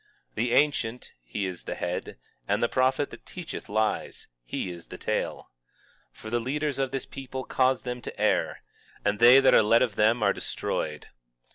19:15 The ancient, he is the head; and the prophet that teacheth lies, he is the tail. 19:16 For the leaders of this people cause them to err; and they that are led of them are destroyed.